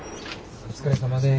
お疲れさまです。